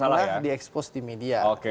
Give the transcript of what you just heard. tapi tidak pernah di expose di media